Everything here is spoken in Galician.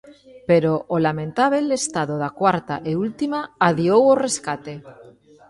Pero o lamentábel estado da cuarta e última adiou o rescate.